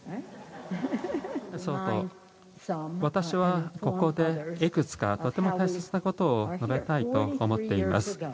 私はここでいくつかとても大切なことを述べたいと思っています。